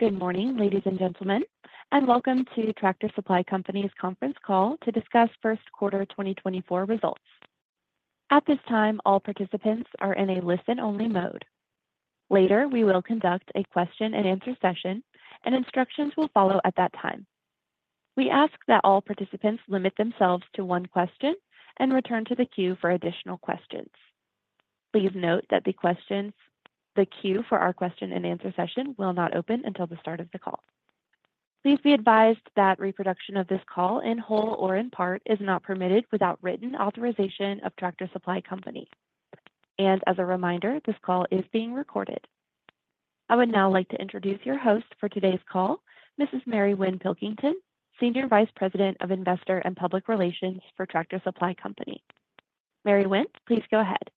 Good morning, ladies and gentlemen, and welcome to Tractor Supply Company's conference call to discuss first quarter 2024 results. At this time, all participants are in a listen-only mode. Later, we will conduct a question-and-answer session, and instructions will follow at that time. We ask that all participants limit themselves to one question and return to the queue for additional questions. Please note that the queue for our question-and-answer session will not open until the start of the call. Please be advised that reproduction of this call in whole or in part is not permitted without written authorization of Tractor Supply Company. As a reminder, this call is being recorded. I would now like to introduce your host for today's call, Mrs. Mary Winn Pilkington, Senior Vice President of Investor and Public Relations for Tractor Supply Company. Mary Winn, please go ahead.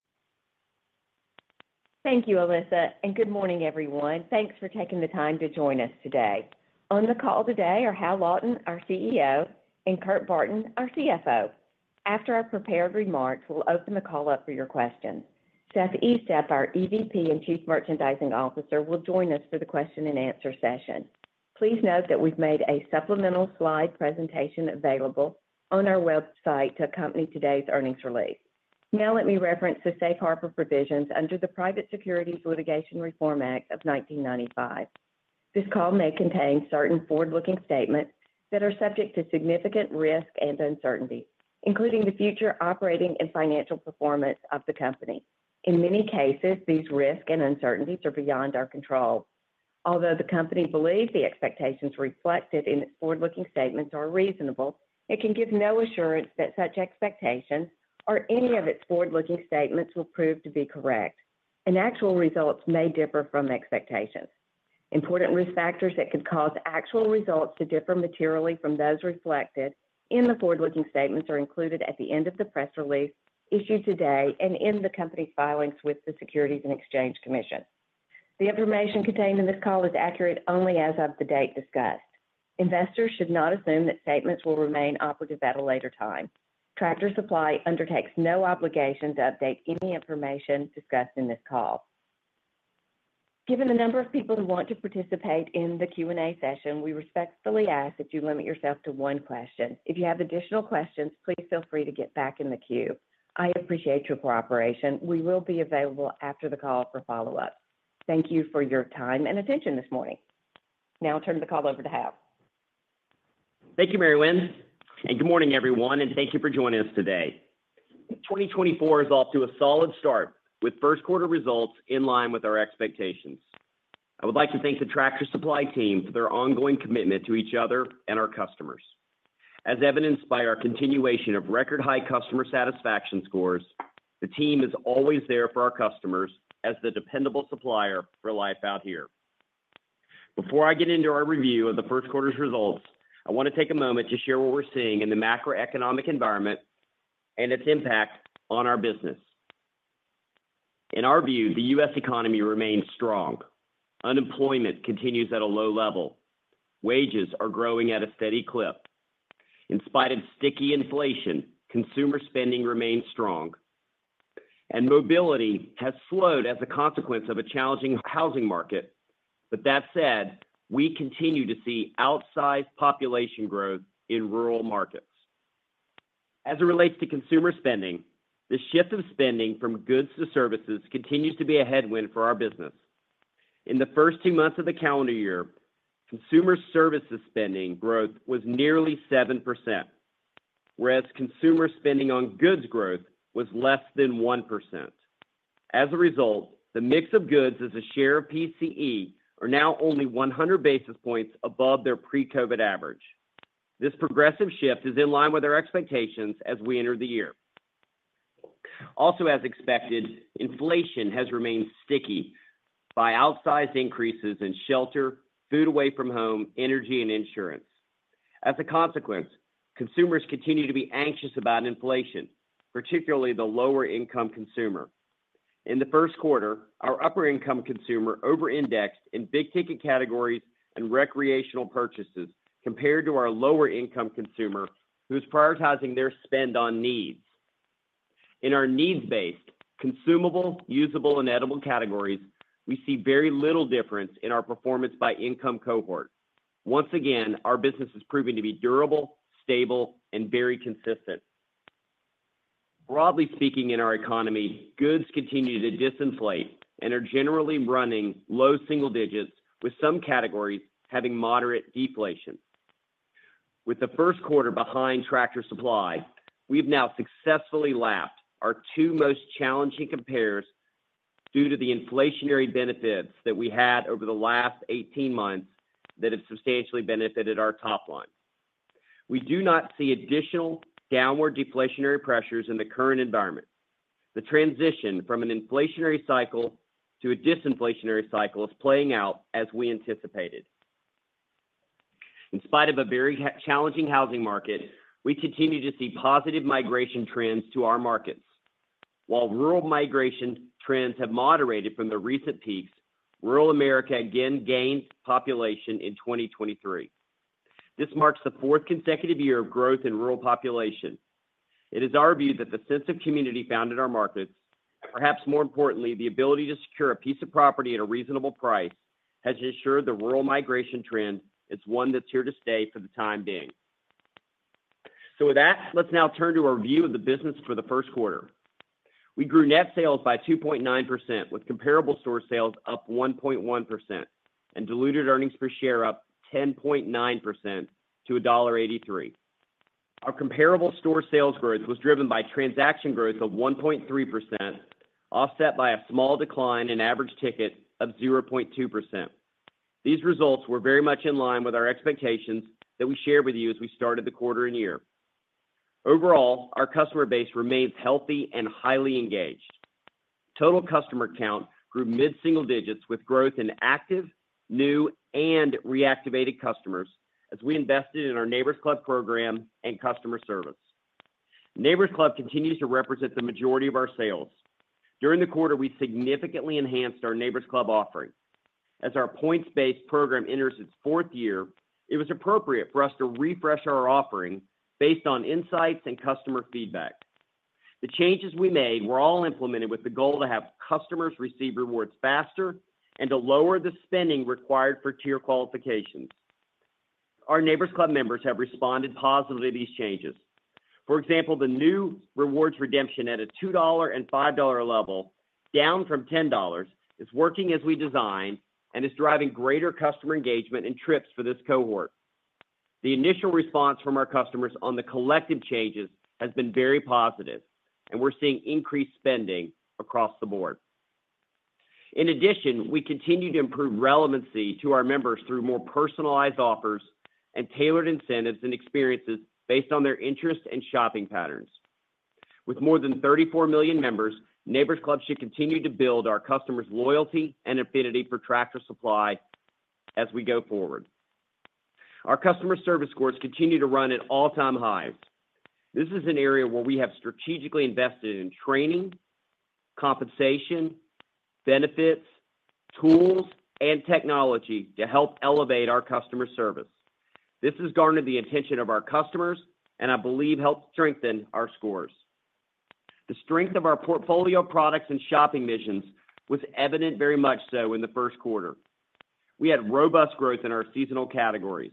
Thank you, Elisa, and good morning, everyone. Thanks for taking the time to join us today. On the call today are Hal Lawton, our CEO, and Kurt Barton, our CFO. After our prepared remarks, we'll open the call up for your questions. Seth Estep, our EVP and Chief Merchandising Officer, will join us for the question-and-answer session. Please note that we've made a supplemental slide presentation available on our website to accompany today's earnings release. Now let me reference the Safe Harbor provisions under the Private Securities Litigation Reform Act of 1995. This call may contain certain forward-looking statements that are subject to significant risk and uncertainty, including the future operating and financial performance of the company. In many cases, these risks and uncertainties are beyond our control. Although the company believes the expectations reflected in its forward-looking statements are reasonable, it can give no assurance that such expectations or any of its forward-looking statements will prove to be correct. Actual results may differ from expectations. Important risk factors that could cause actual results to differ materially from those reflected in the forward-looking statements are included at the end of the press release issued today and in the company's filings with the Securities and Exchange Commission. The information contained in this call is accurate only as of the date discussed. Investors should not assume that statements will remain operative at a later time. Tractor Supply undertakes no obligation to update any information discussed in this call. Given the number of people who want to participate in the Q&A session, we respectfully ask that you limit yourself to one question. If you have additional questions, please feel free to get back in the queue. I appreciate your cooperation. We will be available after the call for follow-ups. Thank you for your time and attention this morning. Now I'll turn the call over to Hal. Thank you, Mary Winn, and good morning, everyone, and thank you for joining us today. 2024 is off to a solid start with first quarter results in line with our expectations. I would like to thank the Tractor Supply team for their ongoing commitment to each other and our customers. As evidenced by our continuation of record-high customer satisfaction scores, the team is always there for our customers as the dependable supplier for life out here. Before I get into our review of the first quarter's results, I want to take a moment to share what we're seeing in the macroeconomic environment and its impact on our business. In our view, the U.S. economy remains strong. Unemployment continues at a low level. Wages are growing at a steady clip. In spite of sticky inflation, consumer spending remains strong. Mobility has slowed as a consequence of a challenging housing market. But that said, we continue to see outsized population growth in rural markets. As it relates to consumer spending, the shift of spending from goods to services continues to be a headwind for our business. In the first two months of the calendar year, consumer services spending growth was nearly 7%, whereas consumer spending on goods growth was less than 1%. As a result, the mix of goods as a share of PCE are now only 100 basis points above their pre-COVID average. This progressive shift is in line with our expectations as we enter the year. Also, as expected, inflation has remained sticky by outsized increases in shelter, food away from home, energy, and insurance. As a consequence, consumers continue to be anxious about inflation, particularly the lower-income consumer. In the first quarter, our upper-income consumer over-indexed in big-ticket categories and recreational purchases compared to our lower-income consumer, who's prioritizing their spend on needs. In our needs-based, consumable, usable, and edible categories, we see very little difference in our performance-by-income cohort. Once again, our business is proving to be durable, stable, and very consistent. Broadly speaking, in our economy, goods continue to disinflate and are generally running low single digits, with some categories having moderate deflation. With the first quarter behind Tractor Supply, we've now successfully lapped our two most challenging compares due to the inflationary benefits that we had over the last 18 months that have substantially benefited our top line. We do not see additional downward deflationary pressures in the current environment. The transition from an inflationary cycle to a disinflationary cycle is playing out as we anticipated. In spite of a very challenging housing market, we continue to see positive migration trends to our markets. While rural migration trends have moderated from the recent peaks, rural America again gained population in 2023. This marks the fourth consecutive year of growth in rural population. It is our view that the sense of community found in our markets, and perhaps more importantly, the ability to secure a piece of property at a reasonable price, has ensured the rural migration trend is one that's here to stay for the time being. So with that, let's now turn to our view of the business for the first quarter. We grew net sales by 2.9%, with comparable store sales up 1.1% and diluted earnings per share up 10.9% to $1.83. Our comparable store sales growth was driven by transaction growth of 1.3%, offset by a small decline in average ticket of 0.2%. These results were very much in line with our expectations that we shared with you as we started the quarter and year. Overall, our customer base remains healthy and highly engaged. Total customer count grew mid-single digits, with growth in active, new, and reactivated customers as we invested in our Neighbors Club program and customer service. Neighbors Club continues to represent the majority of our sales. During the quarter, we significantly enhanced our Neighbors Club offering. As our points-based program enters its fourth year, it was appropriate for us to refresh our offering based on insights and customer feedback. The changes we made were all implemented with the goal to have customers receive rewards faster and to lower the spending required for tier qualifications. Our Neighbors Club members have responded positively to these changes. For example, the new rewards redemption at a $2 and $5 level, down from $10, is working as we designed and is driving greater customer engagement and trips for this cohort. The initial response from our customers on the collective changes has been very positive, and we're seeing increased spending across the board. In addition, we continue to improve relevancy to our members through more personalized offers and tailored incentives and experiences based on their interests and shopping patterns. With more than 34 million members, Neighbors Club should continue to build our customers' loyalty and affinity for Tractor Supply as we go forward. Our customer service scores continue to run at all-time highs. This is an area where we have strategically invested in training, compensation, benefits, tools, and technology to help elevate our customer service. This has garnered the attention of our customers and, I believe, helped strengthen our scores. The strength of our portfolio products and shopping missions was evident very much so in the first quarter. We had robust growth in our seasonal categories.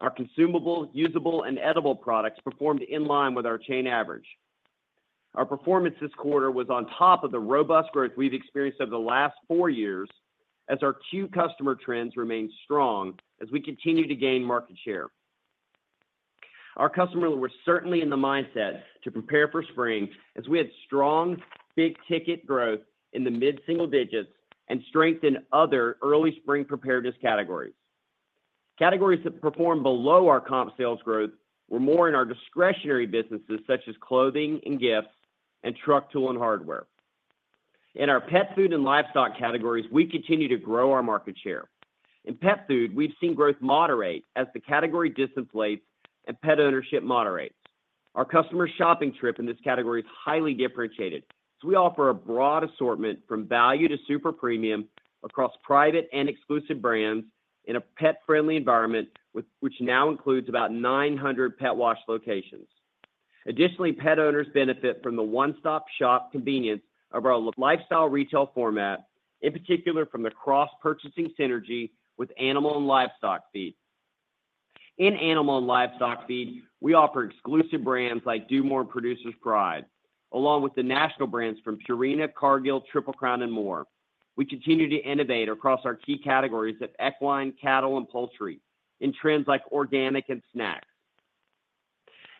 Our consumable, usable, and edible products performed in line with our chain average. Our performance this quarter was on top of the robust growth we've experienced over the last four years as our key customer trends remained strong as we continue to gain market share. Our customers were certainly in the mindset to prepare for spring as we had strong big-ticket growth in the mid-single digits and strengthened other early spring preparedness categories. Categories that performed below our comp sales growth were more in our discretionary businesses such as clothing and gifts and truck tool and hardware. In our pet food and livestock categories, we continue to grow our market share. In pet food, we've seen growth moderate as the category disinflates and pet ownership moderates. Our customer shopping trip in this category is highly differentiated, so we offer a broad assortment from value to super premium across private and exclusive brands in a pet-friendly environment, which now includes about 900 pet wash locations. Additionally, pet owners benefit from the one-stop shop convenience of our lifestyle retail format, in particular from the cross-purchasing synergy with animal and livestock feed. In animal and livestock feed, we offer exclusive brands like DuMOR Producer's Pride, along with the national brands from Purina, Cargill, Triple Crown, and more. We continue to innovate across our key categories of equine, cattle, and poultry in trends like organic and snacks.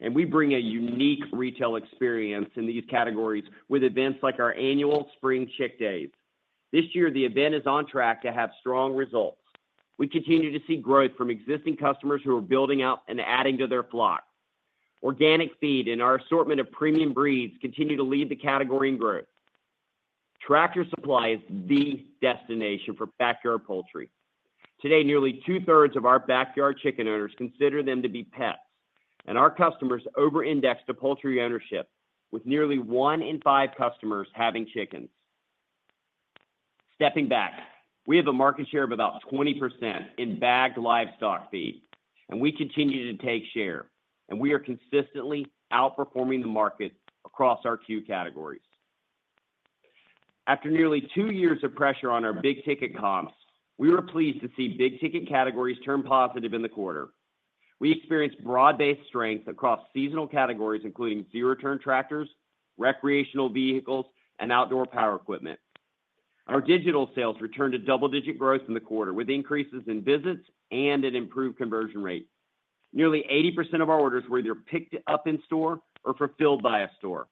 And we bring a unique retail experience in these categories with events like our annual Spring Chick Days. This year, the event is on track to have strong results. We continue to see growth from existing customers who are building out and adding to their flock. Organic feed and our assortment of premium breeds continue to lead the category in growth. Tractor Supply is the destination for backyard poultry. Today, nearly 2/3 of our backyard chicken owners consider them to be pets, and our customers over-index to poultry ownership, with nearly one in five customers having chickens. Stepping back, we have a market share of about 20% in bagged livestock feed, and we continue to take share. We are consistently outperforming the market across our key categories. After nearly two years of pressure on our big-ticket comps, we were pleased to see big-ticket categories turn positive in the quarter. We experienced broad-based strength across seasonal categories, including zero-turn tractors, recreational vehicles, and outdoor power equipment. Our digital sales returned to double-digit growth in the quarter with increases in visits and an improved conversion rate. Nearly 80% of our orders were either picked up in store or fulfilled by a store.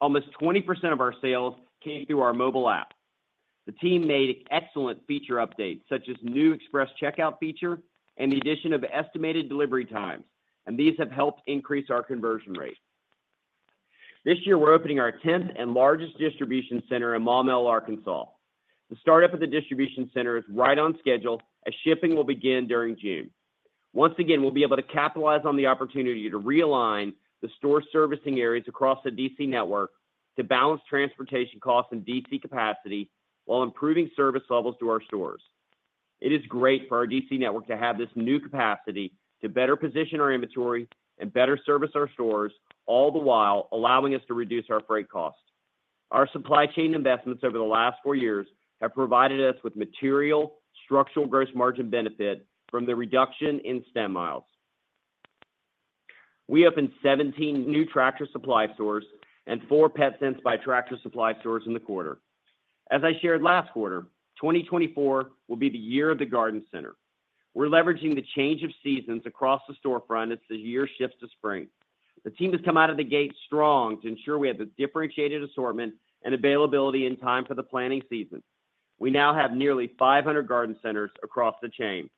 Almost 20% of our sales came through our mobile app. The team made excellent feature updates such as new express checkout feature and the addition of estimated delivery times, and these have helped increase our conversion rate. This year, we're opening our 10th and largest distribution center in Maumelle, Arkansas. The startup of the distribution center is right on schedule, as shipping will begin during June. Once again, we'll be able to capitalize on the opportunity to realign the store servicing areas across the DC network to balance transportation costs and DC capacity while improving service levels to our stores. It is great for our DC network to have this new capacity to better position our inventory and better service our stores, all the while allowing us to reduce our freight costs. Our supply chain investments over the last four years have provided us with material structural gross margin benefit from the reduction in Stem Miles. We opened 17 new Tractor Supply stores and four Petsense by Tractor Supply stores in the quarter. As I shared last quarter, 2024 will be the year of the Garden Center. We're leveraging the change of seasons across the storefront as the year shifts to spring. The team has come out of the gate strong to ensure we have a differentiated assortment and availability in time for the planting season. We now have nearly 500 garden centers across the chain.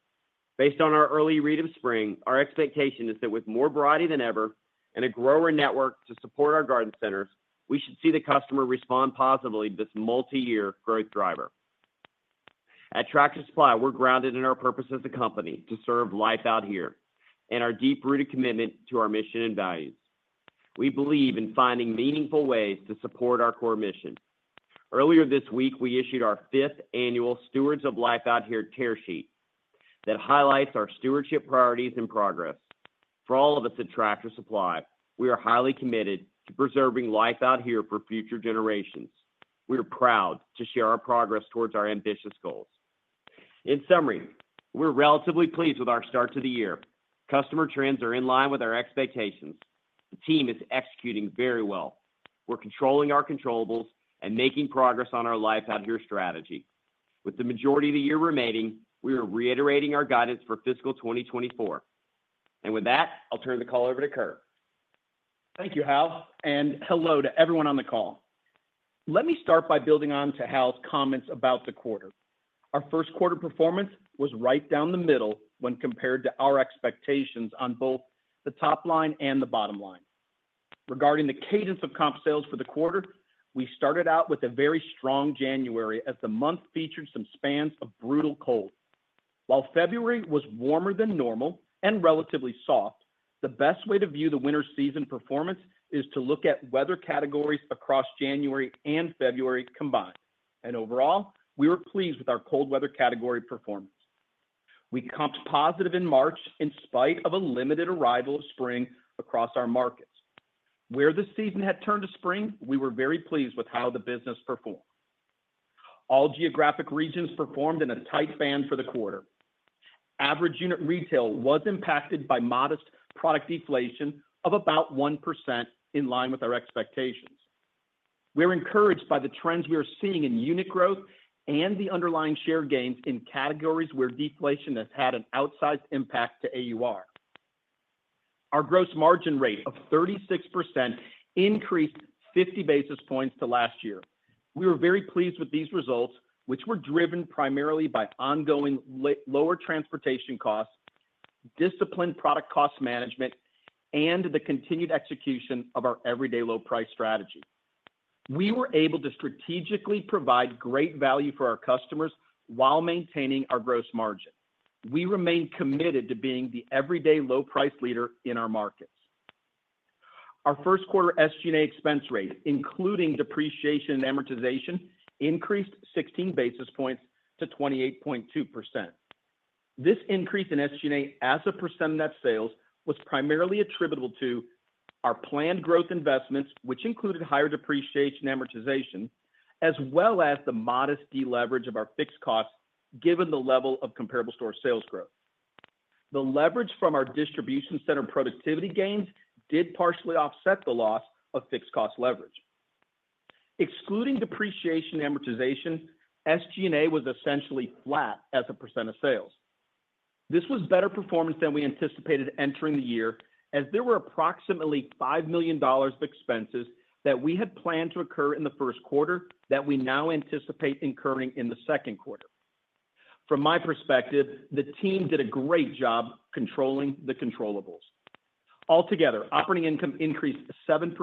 Based on our early read of spring, our expectation is that with more variety than ever and a grower network to support our garden centers, we should see the customer respond positively to this multi-year growth driver. At Tractor Supply, we're grounded in our purpose as a company to serve Life Out Here and our deep-rooted commitment to our mission and values. We believe in finding meaningful ways to support our core mission. Earlier this week, we issued our fifth annual Stewards of Life Out Here tear sheet that highlights our stewardship priorities and progress. For all of us at Tractor Supply, we are highly committed to preserving Life Out Here for future generations. We are proud to share our progress towards our ambitious goals. In summary, we're relatively pleased with our start to the year. Customer trends are in line with our expectations. The team is executing very well. We're controlling our controllables, and making progress on our Life Out Here strategy. With the majority of the year remaining, we are reiterating our guidance for fiscal 2024. With that, I'll turn the call over to Kurt. Thank you, Hal, and hello to everyone on the call. Let me start by building on to Hal's comments about the quarter. Our first quarter performance was right down the middle when compared to our expectations on both the top line and the bottom line. Regarding the cadence of comp sales for the quarter, we started out with a very strong January as the month featured some spans of brutal cold. While February was warmer than normal and relatively soft, the best way to view the winter season performance is to look at weather categories across January and February combined. Overall, we were pleased with our cold weather category performance. We comped positive in March in spite of a limited arrival of spring across our markets. Where the season had turned to spring, we were very pleased with how the business performed. All geographic regions performed in a tight band for the quarter. Average unit retail was impacted by modest product deflation of about 1% in line with our expectations. We are encouraged by the trends we are seeing in unit growth and the underlying share gains in categories where deflation has had an outsized impact to AUR. Our gross margin rate of 36% increased 50 basis points to last year. We were very pleased with these results, which were driven primarily by ongoing lower transportation costs, disciplined product cost management, and the continued execution of our everyday low-price strategy. We were able to strategically provide great value for our customers while maintaining our gross margin. We remain committed to being the everyday low-price leader in our markets. Our first quarter SG&A expense rate, including depreciation and amortization, increased 16 basis points to 28.2%. This increase in SG&A as a percent net sales was primarily attributable to our planned growth investments, which included higher depreciation and amortization, as well as the modest deleverage of our fixed costs given the level of comparable store sales growth. The leverage from our distribution center productivity gains did partially offset the loss of fixed cost leverage. Excluding depreciation and amortization, SG&A was essentially flat as a percent of sales. This was better performance than we anticipated entering the year, as there were approximately $5 million of expenses that we had planned to occur in the first quarter that we now anticipate incurring in the second quarter. From my perspective, the team did a great job controlling the controllables. Altogether, operating income increased 7%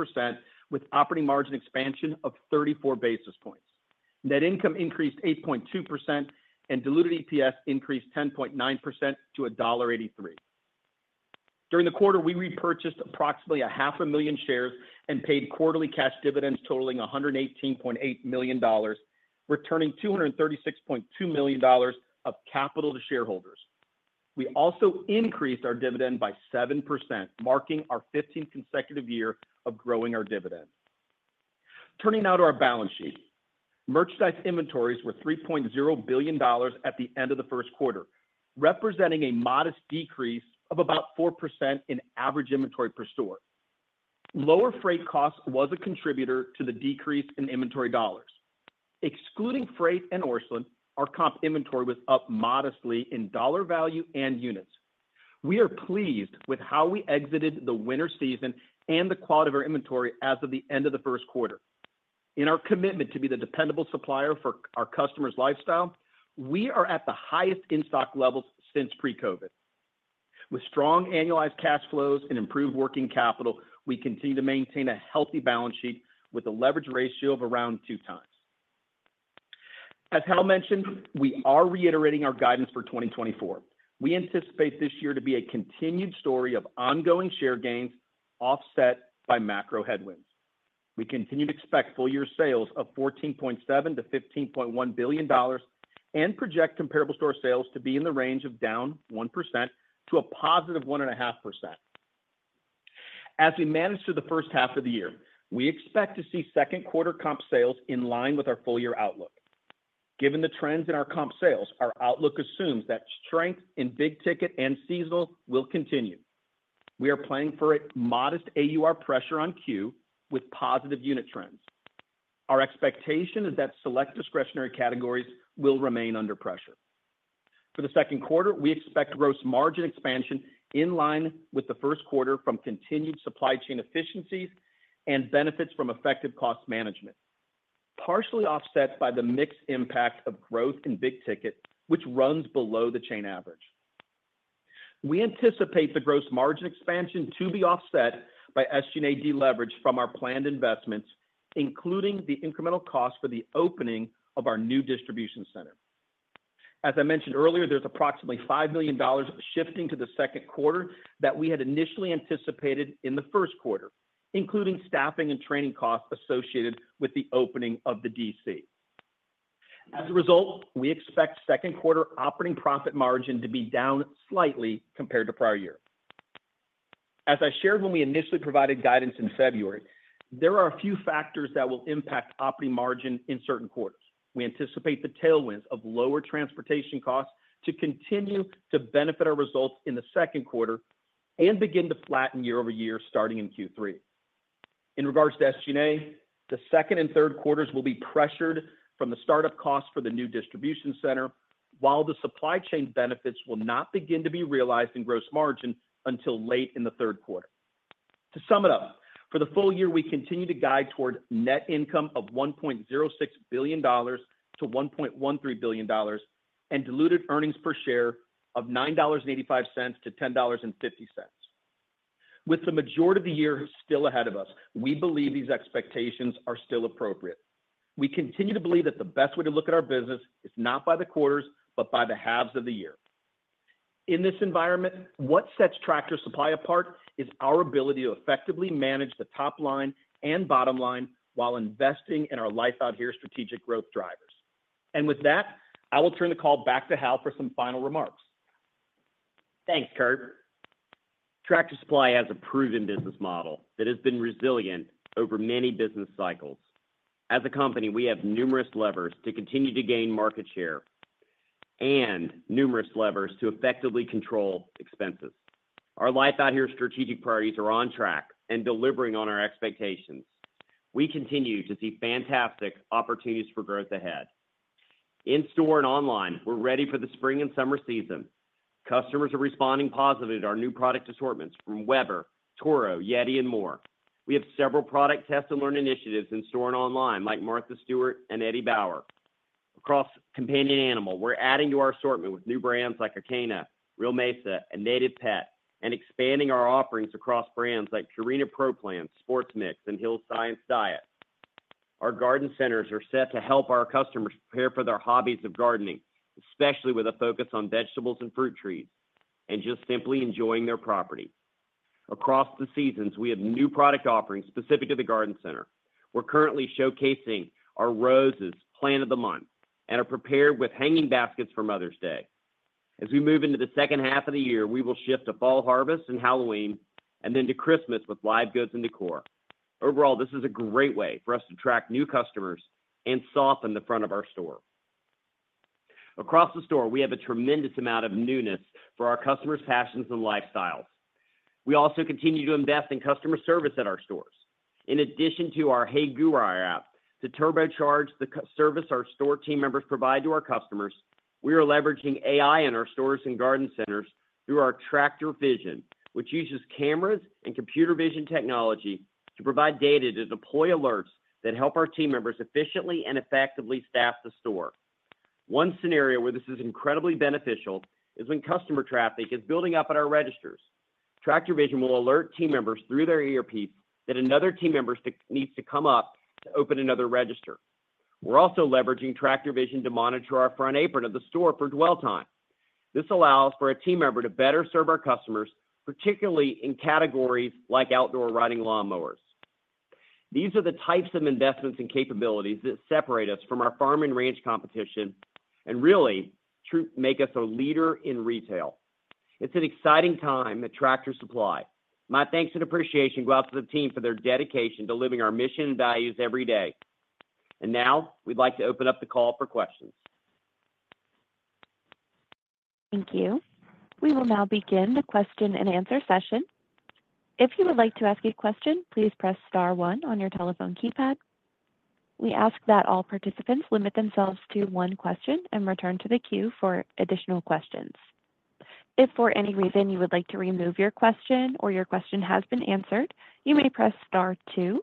with operating margin expansion of 34 basis points. Net income increased 8.2%, and diluted EPS increased 10.9% to $1.83. During the quarter, we repurchased approximately 500,000 shares and paid quarterly cash dividends totaling $118.8 million, returning $236.2 million of capital to shareholders. We also increased our dividend by 7%, marking our 15th consecutive year of growing our dividend. Turning now to our balance sheet, merchandise inventories were $3.0 billion at the end of the first quarter, representing a modest decrease of about 4% in average inventory per store. Lower freight costs were a contributor to the decrease in inventory dollars. Excluding freight and orphaned, our comp inventory was up modestly in dollar value and units. We are pleased with how we exited the winter season and the quality of our inventory as of the end of the first quarter. In our commitment to be the dependable supplier for our customers' lifestyle, we are at the highest in-stock levels since pre-COVID. With strong annualized cash flows and improved working capital, we continue to maintain a healthy balance sheet with a leverage ratio of around 2x. As Hal mentioned, we are reiterating our guidance for 2024. We anticipate this year to be a continued story of ongoing share gains offset by macro headwinds. We continue to expect full-year sales of $14.7-$15.1 billion and project comparable store sales to be in the range of -1% to +1.5%. As we manage through the first half of the year, we expect to see second quarter comp sales in line with our full-year outlook. Given the trends in our comp sales, our outlook assumes that strength in big-ticket and seasonal will continue. We are playing for a modest AUR pressure ongoing with positive unit trends. Our expectation is that select discretionary categories will remain under pressure. For the second quarter, we expect gross margin expansion in line with the first quarter from continued supply chain efficiencies and benefits from effective cost management, partially offset by the mixed impact of growth in big-ticket, which runs below the chain average. We anticipate the gross margin expansion to be offset by SG&A deleverage from our planned investments, including the incremental cost for the opening of our new distribution center. As I mentioned earlier, there's approximately $5 million shifting to the second quarter that we had initially anticipated in the first quarter, including staffing and training costs associated with the opening of the DC. As a result, we expect second quarter operating profit margin to be down slightly compared to prior year. As I shared when we initially provided guidance in February, there are a few factors that will impact operating margin in certain quarters. We anticipate the tailwinds of lower transportation costs to continue to benefit our results in the second quarter and begin to flatten year over year starting in Q3. In regards to SG&A, the second and third quarters will be pressured from the startup costs for the new distribution center, while the supply chain benefits will not begin to be realized in gross margin until late in the third quarter. To sum it up, for the full year, we continue to guide toward net income of $1.06 billion-$1.13 billion and diluted earnings per share of $9.85-$10.50. With the majority of the year still ahead of us, we believe these expectations are still appropriate. We continue to believe that the best way to look at our business is not by the quarters, but by the halves of the year. In this environment, what sets Tractor Supply apart is our ability to effectively manage the top line and bottom line while investing in our Life Out Here strategic growth drivers. And with that, I will turn the call back to Hal for some final remarks. Thanks, Kurt. Tractor Supply has a proven business model that has been resilient over many business cycles. As a company, we have numerous levers to continue to gain market share and numerous levers to effectively control expenses. Our Life Out Here strategic priorities are on track and delivering on our expectations. We continue to see fantastic opportunities for growth ahead. In store and online, we're ready for the spring and summer season. Customers are responding positive to our new product assortments from Weber, Toro, YETI, and more. We have several product test and learn initiatives in store and online like Martha Stewart and Eddie Bauer. Across companion animal, we're adding to our assortment with new brands like ACANA, Real Mesa, and Native Pet, and expanding our offerings across brands like Purina Pro Plan, Sportmix, and Hill's Science Diet. Our garden centers are set to help our customers prepare for their hobbies of gardening, especially with a focus on vegetables and fruit trees and just simply enjoying their property. Across the seasons, we have new product offerings specific to the garden center. We're currently showcasing our roses Plant of the Month and are prepared with hanging baskets for Mother's Day. As we move into the second half of the year, we will shift to fall harvest and Halloween and then to Christmas with live goods and decor. Overall, this is a great way for us to attract new customers and soften the front of our store. Across the store, we have a tremendous amount of newness for our customers' passions and lifestyles. We also continue to invest in customer service at our stores. In addition to our Hey GURA app to turbocharge the service our store team members provide to our customers, we are leveraging AI in our stores and garden centers through our Tractor Vision, which uses cameras and computer vision technology to provide data to deploy alerts that help our team members efficiently and effectively staff the store. One scenario where this is incredibly beneficial is when customer traffic is building up at our registers. Tractor Vision will alert team members through their earpiece that another team member needs to come up to open another register. We're also leveraging Tractor Vision to monitor our front apron of the store for dwell time. This allows for a team member to better serve our customers, particularly in categories like outdoor riding lawn mowers. These are the types of investments and capabilities that separate us from our farm and ranch competition and really make us a leader in retail. It's an exciting time at Tractor Supply. My thanks and appreciation go out to the team for their dedication to living our mission and values every day. Now we'd like to open up the call for questions. Thank you. We will now begin the question and answer session. If you would like to ask a question, please press star one on your telephone keypad. We ask that all participants limit themselves to one question and return to the queue for additional questions. If for any reason you would like to remove your question or your question has been answered, you may press star two.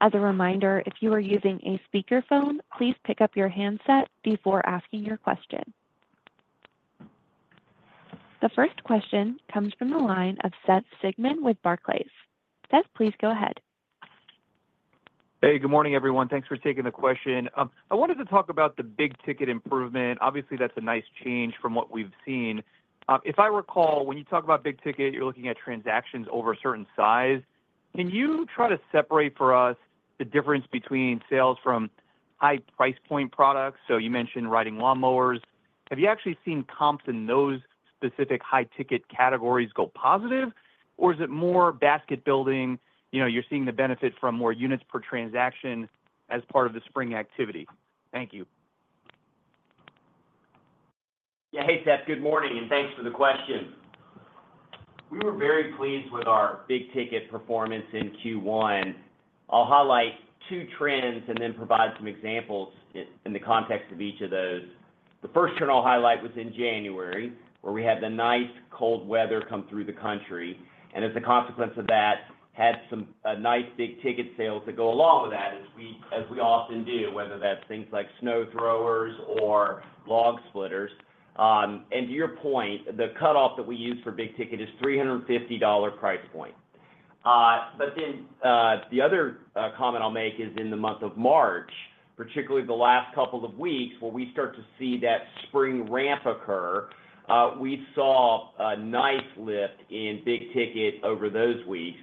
As a reminder, if you are using a speakerphone, please pick up your handset before asking your question. The first question comes from the line of Seth Sigman with Barclays. Seth, please go ahead. Hey, good morning, everyone. Thanks for taking the question. I wanted to talk about the big-ticket improvement. Obviously, that's a nice change from what we've seen. If I recall, when you talk about big-ticket, you're looking at transactions over a certain size. Can you try to separate for us the difference between sales from high-price point products? So you mentioned riding lawnmowers. Have you actually seen comps in those specific high-ticket categories go positive, or is it more basket building? You're seeing the benefit from more units per transaction as part of the spring activity. Thank you. Yeah, hey, Seth. Good morning. And thanks for the question. We were very pleased with our big-ticket performance in Q1. I'll highlight two trends and then provide some examples in the context of each of those. The first trend I'll highlight was in January, where we had the nice cold weather come through the country and, as a consequence of that, had some nice big-ticket sales that go along with that, as we often do, whether that's things like snow throwers or log splitters. And to your point, the cutoff that we use for big-ticket is $350 price point. But then the other comment I'll make is in the month of March, particularly the last couple of weeks where we start to see that spring ramp occur, we saw a nice lift in big-ticket over those weeks.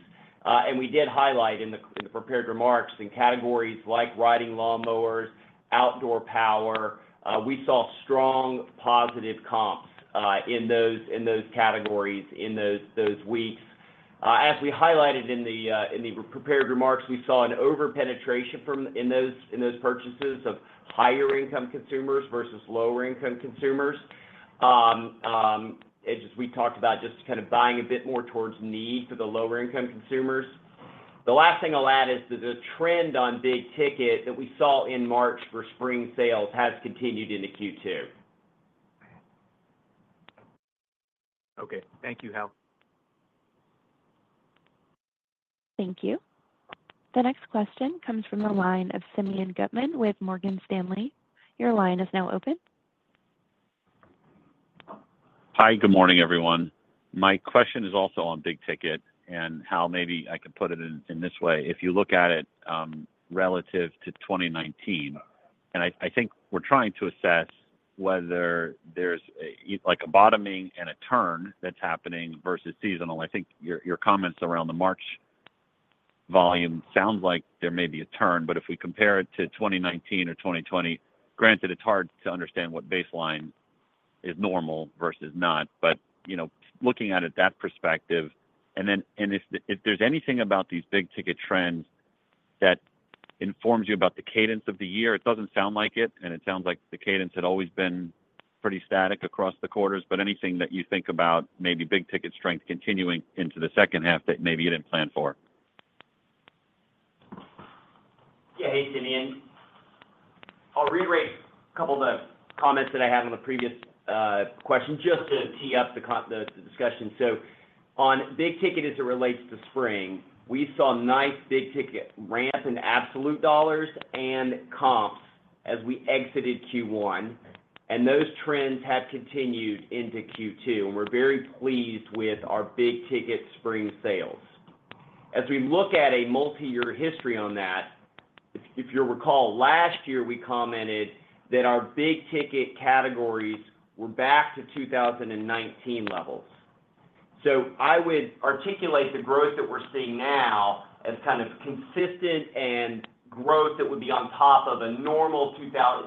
We did highlight in the prepared remarks, in categories like riding lawnmowers, outdoor power, we saw strong positive comps in those categories in those weeks. As we highlighted in the prepared remarks, we saw an over-penetration in those purchases of higher-income consumers versus lower-income consumers. We talked about just kind of buying a bit more towards need for the lower-income consumers. The last thing I'll add is that the trend on big-ticket that we saw in March for spring sales has continued into Q2. Okay. Thank you, Hal. Thank you. The next question comes from the line of Simeon Gutman with Morgan Stanley. Your line is now open. Hi, good morning, everyone. My question is also on big-ticket, and Hal, maybe I can put it in this way. If you look at it relative to 2019, and I think we're trying to assess whether there's a bottoming and a turn that's happening versus seasonal, I think your comments around the March volume sound like there may be a turn. But if we compare it to 2019 or 2020, granted, it's hard to understand what baseline is normal versus not. But looking at it that perspective, and if there's anything about these big-ticket trends that informs you about the cadence of the year, it doesn't sound like it. And it sounds like the cadence had always been pretty static across the quarters. But anything that you think about maybe big-ticket strength continuing into the second half that maybe you didn't plan for. Yeah, hey, Simeon. I'll reiterate a couple of the comments that I had on the previous question just to tee up the discussion. So on big-ticket as it relates to spring, we saw a nice big-ticket ramp in absolute dollars and comps as we exited Q1. And those trends have continued into Q2. And we're very pleased with our big-ticket spring sales. As we look at a multi-year history on that, if you recall, last year we commented that our big-ticket categories were back to 2019 levels. So I would articulate the growth that we're seeing now as kind of consistent and growth that would be on top of a normal if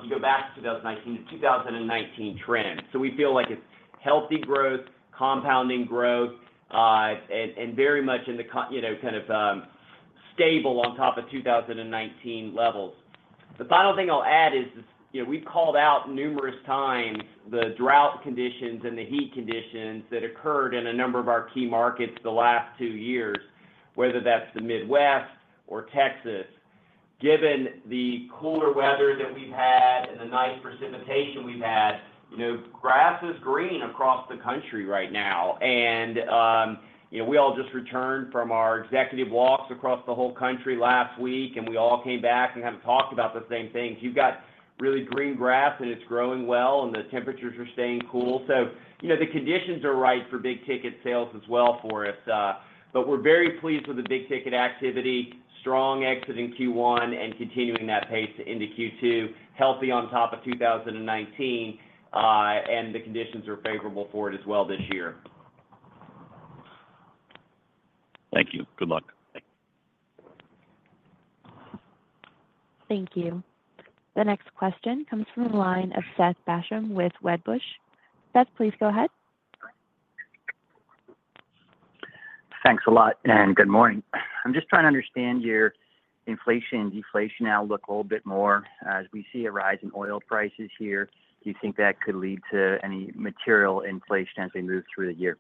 you go back to 2019, the 2019 trend. So we feel like it's healthy growth, compounding growth, and very much in the kind of stable on top of 2019 levels. The final thing I'll add is we've called out numerous times the drought conditions and the heat conditions that occurred in a number of our key markets the last two years, whether that's the Midwest or Texas. Given the cooler weather that we've had and the nice precipitation we've had, grass is green across the country right now. We all just returned from our executive walks across the whole country last week, and we all came back and kind of talked about the same things. You've got really green grass, and it's growing well, and the temperatures are staying cool. The conditions are right for big-ticket sales as well for us. We're very pleased with the big-ticket activity, strong exit in Q1 and continuing that pace into Q2, healthy on top of 2019. The conditions are favorable for it as well this year. Thank you. Good luck. Thank you. The next question comes from the line of Seth Basham with Wedbush. Seth, please go ahead. Thanks a lot and good morning. I'm just trying to understand your inflation-deflation outlook a little bit more. As we see a rise in oil prices here, do you think that could lead to any material inflation as we move through the year?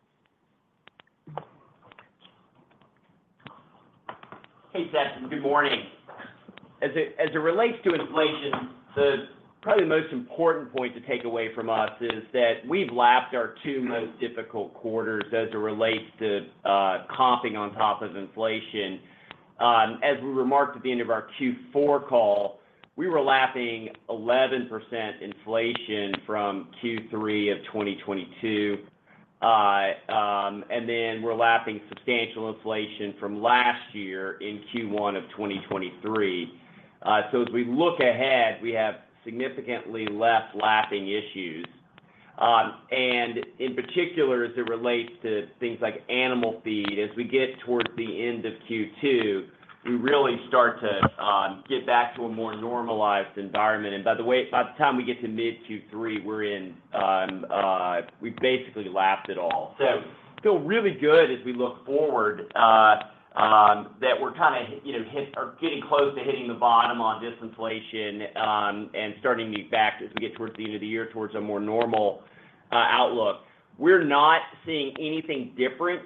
Hey, Seth. Good morning. As it relates to inflation, probably the most important point to take away from us is that we've lapped our two most difficult quarters as it relates to comping on top of inflation. As we remarked at the end of our Q4 call, we were lapping 11% inflation from Q3 of 2022. Then we're lapping substantial inflation from last year in Q1 of 2023. As we look ahead, we have significantly less lapping issues. In particular, as it relates to things like animal feed, as we get towards the end of Q2, we really start to get back to a more normalized environment. By the time we get to mid-Q3, we've basically lapped it all. So I feel really good as we look forward that we're kind of getting close to hitting the bottom on disinflation and starting to get back as we get towards the end of the year towards a more normal outlook. We're not seeing anything different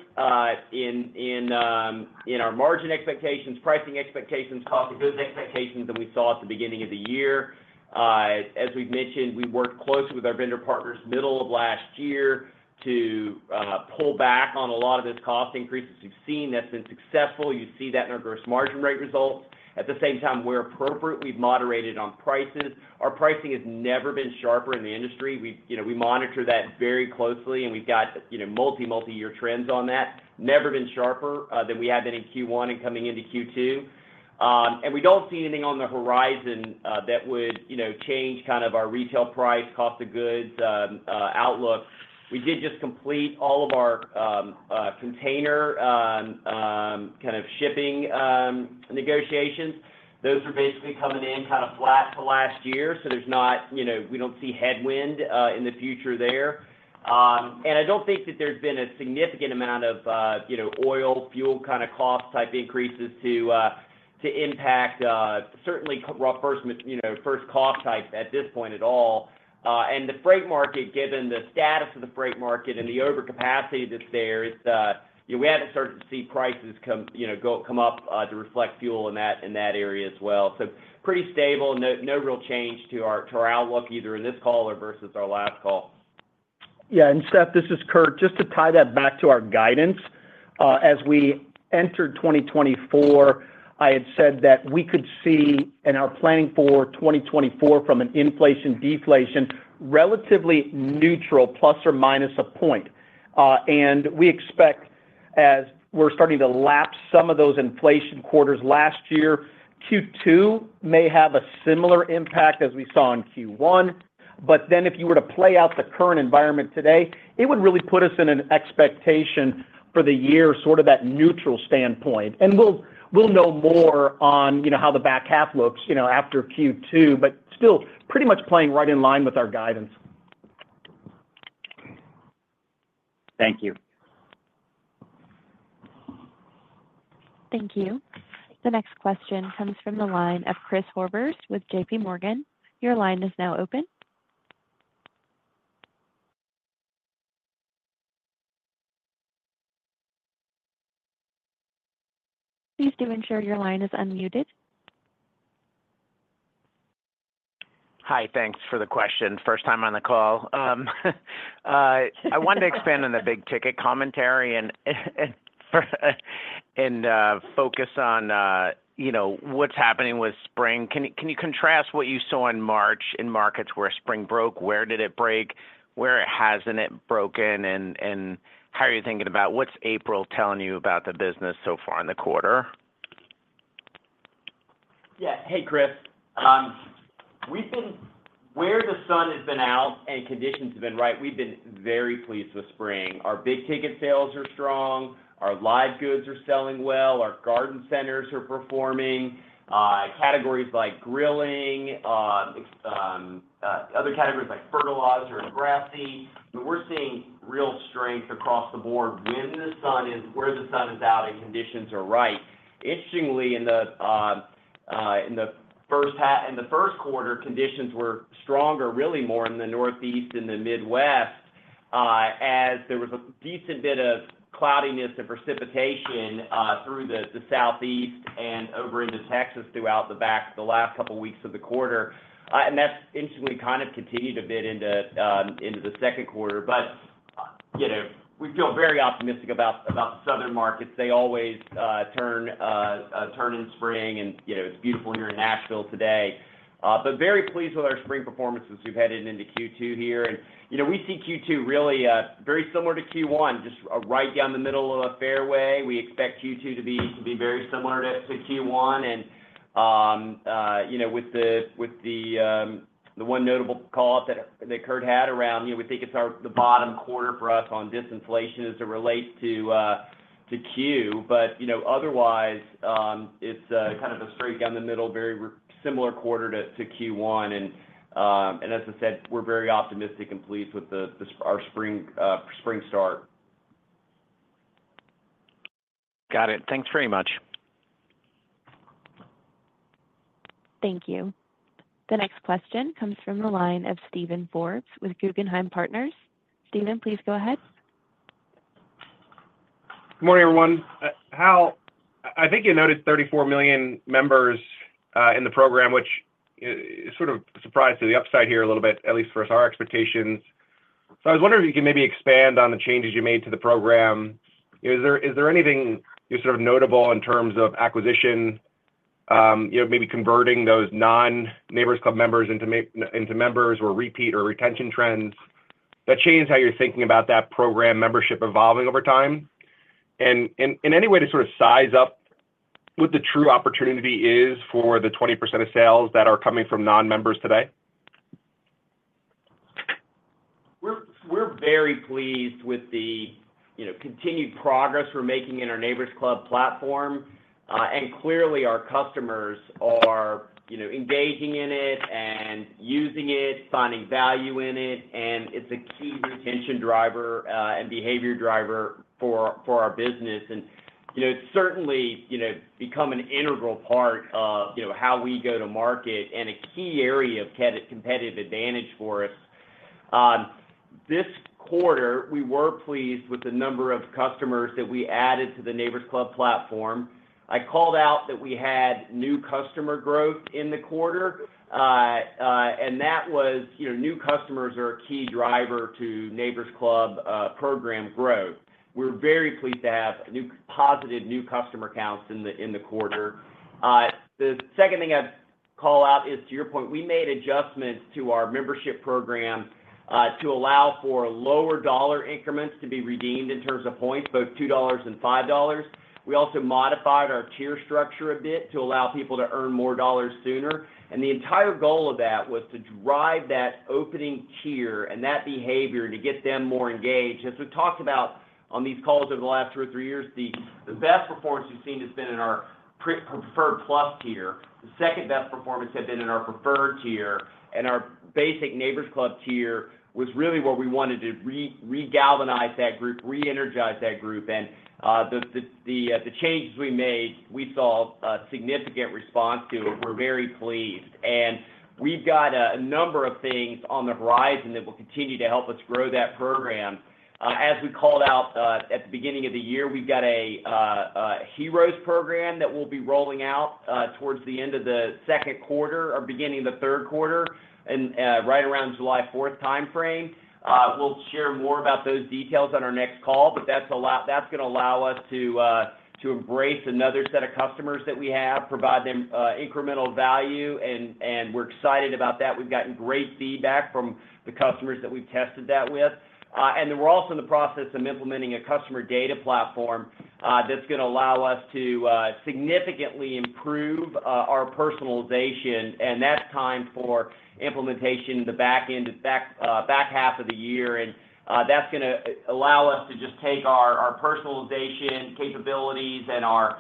in our margin expectations, pricing expectations, cost of goods expectations than we saw at the beginning of the year. As we've mentioned, we worked closely with our vendor partners middle of last year to pull back on a lot of this cost increase as we've seen. That's been successful. You see that in our gross margin rate results. At the same time, where appropriate, we've moderated on prices. Our pricing has never been sharper in the industry. We monitor that very closely, and we've got multi, multi-year trends on that. Never been sharper than we had been in Q1 and coming into Q2. We don't see anything on the horizon that would change kind of our retail price, cost of goods outlook. We did just complete all of our container kind of shipping negotiations. Those are basically coming in kind of flat to last year. So we don't see headwind in the future there. And I don't think that there's been a significant amount of oil, fuel kind of cost-type increases to impact, certainly first cost-type at this point at all. And the freight market, given the status of the freight market and the overcapacity that's there, we haven't started to see prices come up to reflect fuel in that area as well. So pretty stable, no real change to our outlook either in this call or versus our last call. Yeah. And Seth, this is Kurt. Just to tie that back to our guidance, as we entered 2024, I had said that we could see and are planning for 2024 from an inflation-deflation relatively neutral, plus or minus a point. And we expect, as we're starting to lapse some of those inflation quarters last year, Q2 may have a similar impact as we saw in Q1. But then if you were to play out the current environment today, it would really put us in an expectation for the year, sort of that neutral standpoint. And we'll know more on how the back half looks after Q2, but still pretty much playing right in line with our guidance. Thank you. Thank you. The next question comes from the line of Chris Horvers with JPMorgan. Your line is now open. Please do ensure your line is unmuted. Hi. Thanks for the question. First time on the call. I wanted to expand on the big-ticket commentary and focus on what's happening with spring. Can you contrast what you saw in March in markets where spring broke? Where did it break? Where hasn't it broken? And how are you thinking about what's April telling you about the business so far in the quarter? Yeah. Hey, Chris. Where the sun has been out and conditions have been right, we've been very pleased with spring. Our big-ticket sales are strong. Our live goods are selling well. Our garden centers are performing. Categories like grilling, other categories like fertilizer and grass feed, we're seeing real strength across the board where the sun is out and conditions are right. Interestingly, in the first quarter, conditions were stronger, really more in the Northeast and the Midwest, as there was a decent bit of cloudiness and precipitation through the Southeast and over into Texas throughout the last couple of weeks of the quarter. And that's, interestingly, kind of continued a bit into the second quarter. But we feel very optimistic about the southern markets. They always turn in spring, and it's beautiful here in Nashville today. But very pleased with our spring performance as we've headed into Q2 here. We see Q2 really very similar to Q1, just right down the middle of a fairway. We expect Q2 to be very similar to Q1. With the one notable call-up that Kurt had around, we think it's the bottom quarter for us on disinflation as it relates to Q. But otherwise, it's kind of a straight down the middle, very similar quarter to Q1. As I said, we're very optimistic and pleased with our spring start. Got it. Thanks very much. Thank you. The next question comes from the line of Steven Forbes with Guggenheim Partners. Steven, please go ahead. Good morning, everyone. Hal, I think you noticed 34 million members in the program, which is sort of surprising to the upside here a little bit, at least for us, our expectations. So I was wondering if you can maybe expand on the changes you made to the program. Is there anything sort of notable in terms of acquisition, maybe converting those non-Neighbors Club members into members or repeat or retention trends that changed how you're thinking about that program membership evolving over time? And in any way to sort of size up what the true opportunity is for the 20% of sales that are coming from non-members today? We're very pleased with the continued progress we're making in our Neighbors Club platform. Clearly, our customers are engaging in it and using it, finding value in it. It's a key retention driver and behavior driver for our business. It's certainly become an integral part of how we go to market and a key area of competitive advantage for us. This quarter, we were pleased with the number of customers that we added to the Neighbors Club platform. I called out that we had new customer growth in the quarter. That was new customers are a key driver to Neighbors Club program growth. We're very pleased to have positive new customer counts in the quarter. The second thing I'd call out is, to your point, we made adjustments to our membership program to allow for lower dollar increments to be redeemed in terms of points, both $2 and $5. We also modified our tier structure a bit to allow people to earn more dollars sooner. The entire goal of that was to drive that opening tier and that behavior to get them more engaged. As we've talked about on these calls over the last two or three years, the best performance we've seen has been in our preferred plus tier. The second best performance had been in our preferred tier. Our basic Neighbors Club tier was really where we wanted to regalvanize that group, reenergize that group. The changes we made, we saw a significant response to. We're very pleased. We've got a number of things on the horizon that will continue to help us grow that program. As we called out at the beginning of the year, we've got a Heroes program that will be rolling out towards the end of the second quarter or beginning of the third quarter, right around July 4th timeframe. We'll share more about those details on our next call. That's going to allow us to embrace another set of customers that we have, provide them incremental value. We're excited about that. We've gotten great feedback from the customers that we've tested that with. Then we're also in the process of implementing a customer data platform that's going to allow us to significantly improve our personalization. That's time for implementation in the back half of the year. And that's going to allow us to just take our personalization capabilities and our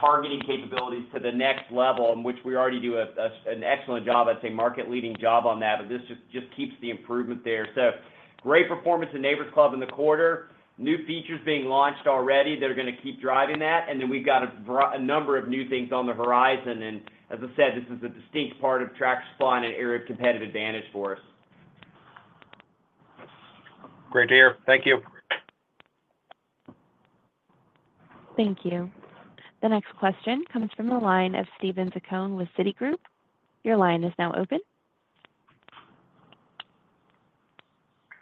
targeting capabilities to the next level, in which we already do an excellent job, I'd say market-leading job on that. But this just keeps the improvement there. So great performance in Neighbors Club in the quarter, new features being launched already that are going to keep driving that. And then we've got a number of new things on the horizon. And as I said, this is a distinct part of Tractor Supply and an area of competitive advantage for us. Great to hear. Thank you. Thank you. The next question comes from the line of Steven Zacone with Citigroup. Your line is now open.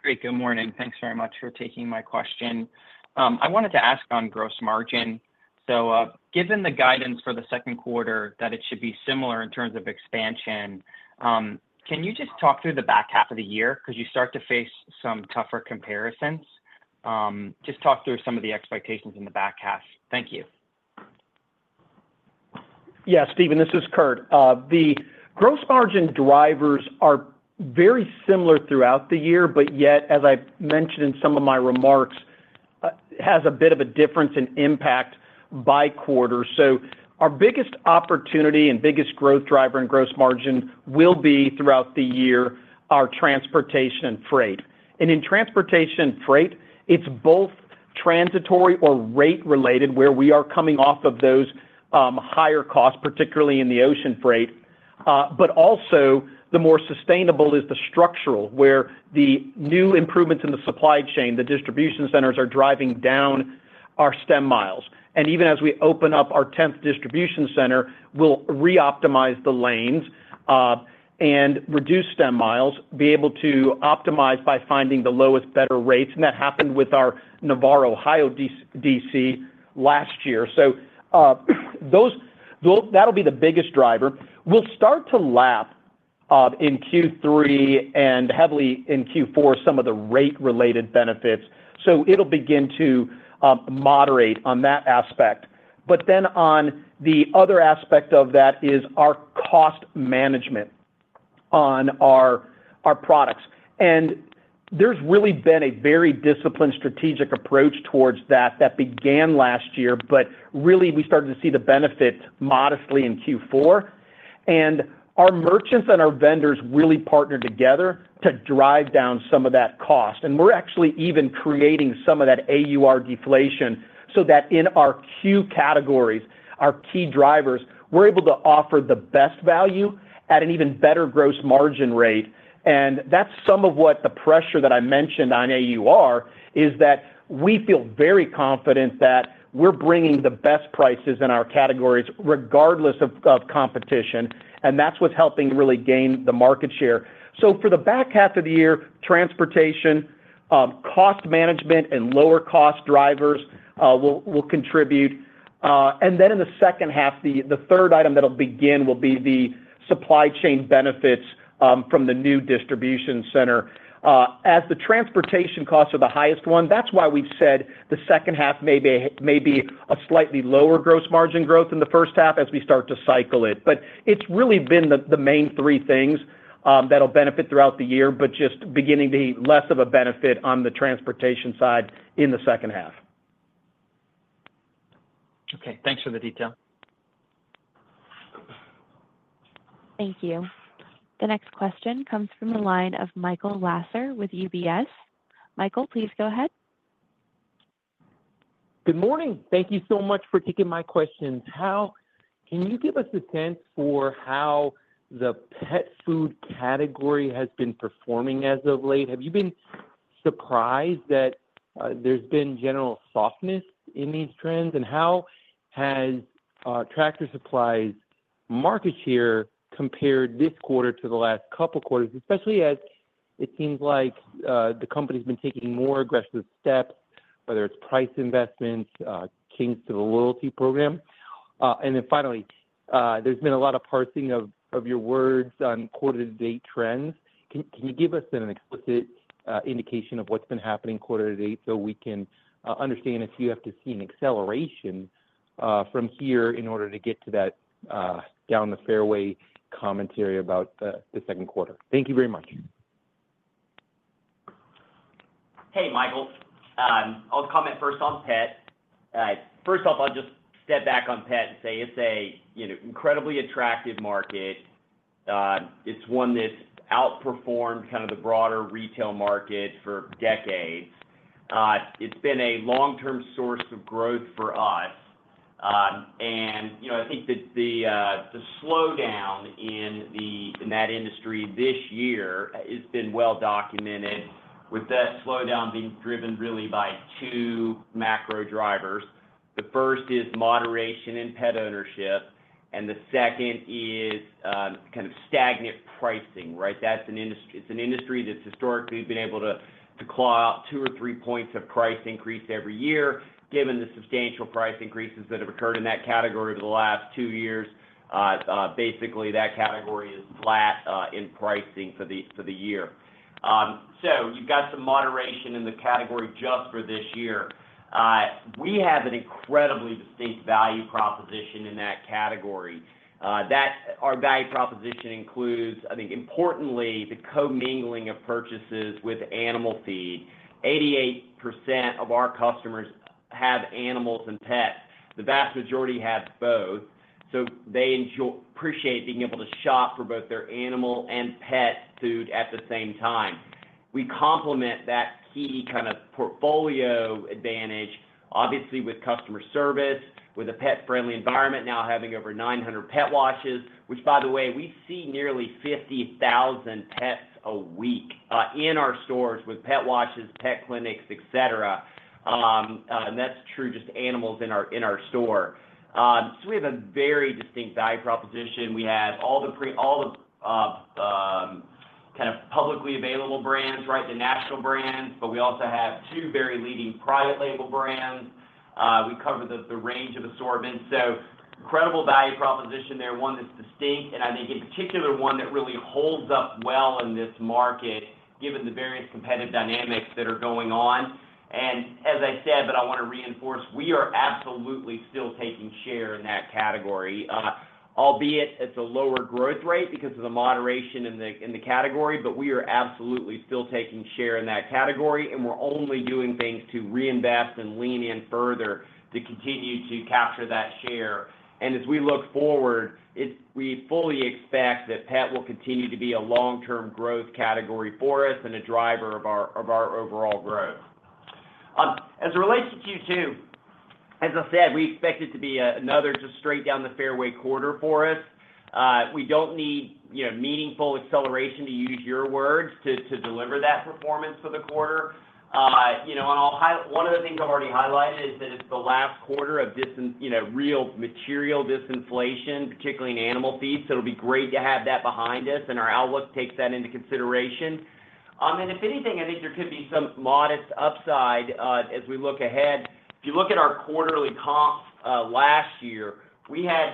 Great. Good morning. Thanks very much for taking my question. I wanted to ask on gross margin. So given the guidance for the second quarter that it should be similar in terms of expansion, can you just talk through the back half of the year because you start to face some tougher comparisons? Just talk through some of the expectations in the back half. Thank you. Yeah, Steven. This is Kurt. The gross margin drivers are very similar throughout the year. But yet, as I mentioned in some of my remarks, it has a bit of a difference in impact by quarter. So our biggest opportunity and biggest growth driver in gross margin will be throughout the year our transportation and freight. And in transportation and freight, it's both transitory or rate-related, where we are coming off of those higher costs, particularly in the ocean freight. But also, the more sustainable is the structural, where the new improvements in the supply chain, the distribution centers are driving down our stem miles. And even as we open up our 10th distribution center, we'll reoptimize the lanes and reduce stem miles, be able to optimize by finding the lowest, better rates. And that happened with our Navarre, Ohio, DC last year. So that'll be the biggest driver. We'll start to lap in Q3 and heavily in Q4 some of the rate-related benefits. So it'll begin to moderate on that aspect. But then on the other aspect of that is our cost management on our products. And there's really been a very disciplined, strategic approach towards that that began last year. But really, we started to see the benefit modestly in Q4. And our merchants and our vendors really partnered together to drive down some of that cost. And we're actually even creating some of that AUR deflation so that in our C.U.E. categories, our key drivers, we're able to offer the best value at an even better gross margin rate. And that's some of what the pressure that I mentioned on AUR is that we feel very confident that we're bringing the best prices in our categories regardless of competition. That's what's helping really gain the market share. So for the back half of the year, transportation, cost management, and lower cost drivers will contribute. Then in the second half, the third item that'll begin will be the supply chain benefits from the new distribution center. As the transportation costs are the highest one, that's why we've said the second half may be a slightly lower gross margin growth than the first half as we start to cycle it. It's really been the main three things that'll benefit throughout the year, but just beginning to be less of a benefit on the transportation side in the second half. Okay. Thanks for the detail. Thank you. The next question comes from the line of Michael Lasser with UBS. Michael, please go ahead. Good morning. Thank you so much for taking my questions. Hal, can you give us a sense for how the pet food category has been performing as of late? Have you been surprised that there's been general softness in these trends? And how has Tractor Supply's market share compared this quarter to the last couple of quarters, especially as it seems like the company's been taking more aggressive steps, whether it's price investments, adds to the Loyalty program? And then finally, there's been a lot of parsing of your words on quarter-to-date trends. Can you give us an explicit indication of what's been happening quarter-to-date so we can understand if you have to see an acceleration from here in order to get to that down-the-fairway commentary about the second quarter? Thank you very much. Hey, Michael. I'll comment first on pet. First off, I'll just step back on pet and say it's an incredibly attractive market. It's one that's outperformed kind of the broader retail market for decades. It's been a long-term source of growth for us. And I think that the slowdown in that industry this year has been well-documented, with that slowdown being driven really by two macro drivers. The first is moderation in pet ownership. And the second is kind of stagnant pricing, right? It's an industry that's historically been able to claw out two or three points of price increase every year. Given the substantial price increases that have occurred in that category over the last two years, basically, that category is flat in pricing for the year. So you've got some moderation in the category just for this year. We have an incredibly distinct value proposition in that category. Our value proposition includes, I think, importantly, the co-mingling of purchases with animal feed. 88% of our customers have animals and pets. The vast majority have both. So they appreciate being able to shop for both their animal and pet food at the same time. We complement that key kind of portfolio advantage, obviously, with customer service, with a pet-friendly environment now having over 900 pet washes, which, by the way, we see nearly 50,000 pets a week in our stores with pet washes, pet clinics, etc. And that's true just animals in our store. So we have a very distinct value proposition. We have all the kind of publicly available brands, right, the national brands. But we also have two very leading private label brands. We cover the range of assortments. So incredible value proposition there, one that's distinct. And I think, in particular, one that really holds up well in this market given the various competitive dynamics that are going on. And as I said, but I want to reinforce, we are absolutely still taking share in that category, albeit it's a lower growth rate because of the moderation in the category. But we are absolutely still taking share in that category. And we're only doing things to reinvest and lean in further to continue to capture that share. And as we look forward, we fully expect that pet will continue to be a long-term growth category for us and a driver of our overall growth. As it relates to Q2, as I said, we expect it to be another just straight down-the-fairway quarter for us. We don't need meaningful acceleration, to use your words, to deliver that performance for the quarter. One of the things I've already highlighted is that it's the last quarter of real material disinflation, particularly in animal feed. So it'll be great to have that behind us. And our outlook takes that into consideration. And if anything, I think there could be some modest upside as we look ahead. If you look at our quarterly comps last year, we had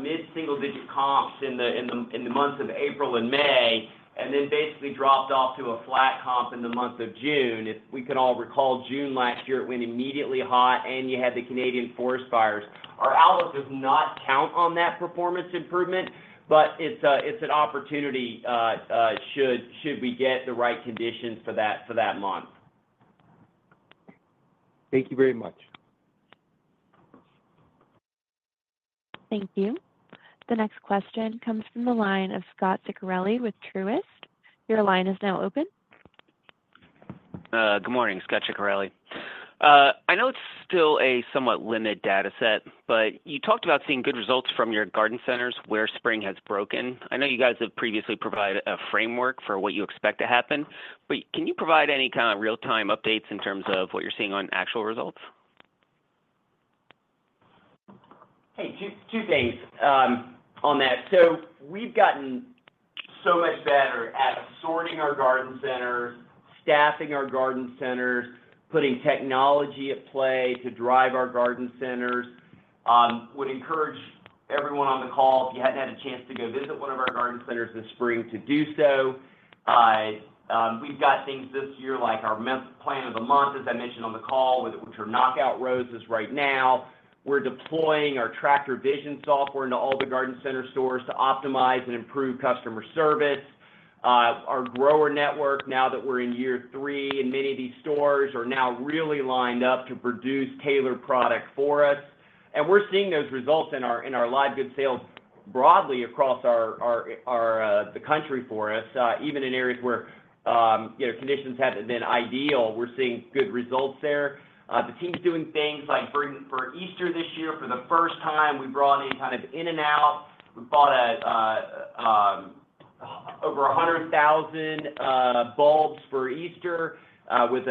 mid-single-digit comps in the months of April and May and then basically dropped off to a flat comp in the month of June. If we can all recall, June last year, it went immediately hot. And you had the Canadian forest fires. Our outlook does not count on that performance improvement. But it's an opportunity should we get the right conditions for that month. Thank you very much. Thank you. The next question comes from the line of Scot Ciccarelli with Truist. Your line is now open. Good morning, Scott Ciccarelli. I know it's still a somewhat limited data set. But you talked about seeing good results from your garden centers where spring has broken. I know you guys have previously provided a framework for what you expect to happen. But can you provide any kind of real-time updates in terms of what you're seeing on actual results? Hey, two things on that. So we've gotten so much better at assorting our garden centers, staffing our garden centers, putting technology at play to drive our garden centers. I would encourage everyone on the call, if you hadn't had a chance to go visit one of our garden centers this spring, to do so. We've got things this year like our Plant of the Month, as I mentioned on the call, which are Knock Out roses right now. We're deploying our Tractor Vision software into all the garden center stores to optimize and improve customer service. Our grower network, now that we're in year three, in many of these stores are now really lined up to produce tailored product for us. And we're seeing those results in our live goods sales broadly across the country for us. Even in areas where conditions haven't been ideal, we're seeing good results there. The team's doing things like for Easter this year, for the first time, we brought in kind of in and out. We bought over 100,000 bulbs for Easter with